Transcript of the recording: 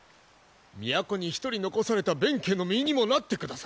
都に一人残された弁慶の身にもなってくだされ。